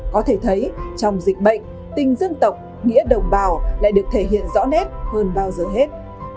có thể thấy trong dịch bệnh tình dân tộc nghĩa đồng bào lại được thể hiện rõ nét hơn bao giờ hết